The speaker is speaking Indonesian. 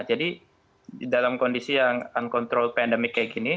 jadi dalam kondisi yang uncontrolled pandemik kayak gini